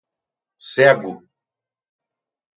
cego